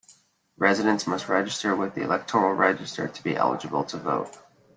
Residents must register with the electoral register to be eligible to vote.